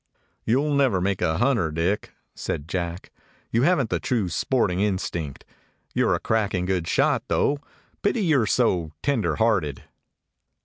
"You 'll never make a hunter, Dick," said Jack. "You haven't the true sporting in stinct. You 're a cracking good shot, though. Pity you 're so tender hearted."